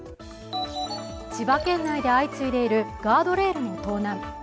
千葉県内で相次いでいるガードレールの盗難。